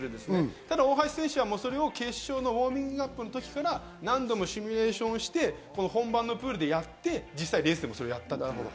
ただ大橋選手は決勝のウオーミングアップの時から何度もシミュレーションをして本番のプールでやって実際にレースでもやった。